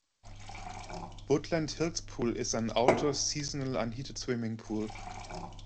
Woodland Hills Pool is an outdoor seasonal unheated swimming pool.